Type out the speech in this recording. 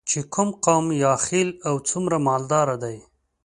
چې کوم قوم یا خیل او څومره مالداره دی.